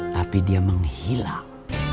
tapi dia menghilang